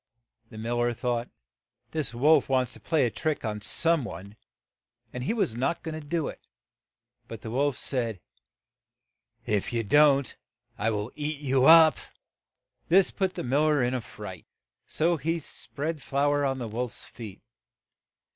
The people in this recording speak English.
The mil ler thought, "The wolf wants to play a trick on some one, '' and he was not go ing to do it ; but the wolf said, "If you don't, I will eat you up." This put the mil ler in a fright, so he spread flour on the wolf's feet.